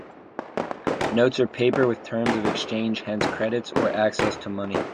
Notes are paper with terms of exchange, hence credits or access to money.